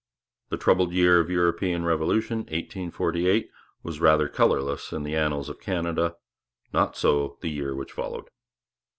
The troubled year of European revolution, 1848, was rather colourless in the annals of Canada; not so the year which followed.